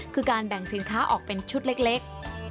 คือการแบ่งสินค้าออกเป็นชุดเล็ก